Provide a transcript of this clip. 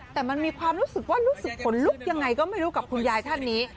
แต่มันมีความรู้สึกว่ารู้สึกขนลุกยังไงก็ไม่รู้กับคุณยายท่านนี้